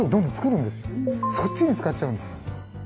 そっちに使っちゃうんです。